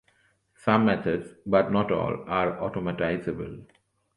Some methods, but not all, are automatizable.